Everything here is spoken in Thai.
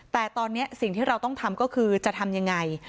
แต่ตอนนี้สิ่งที่เราต้องทำก็คือจะทำยังไง